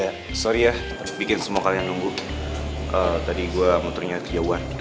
eh sorry ya bikin semua kalian nunggu tadi gue muternya kejauhan